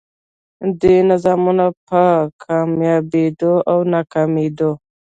دې نظامونو په کاميابېدو او ناکامېدو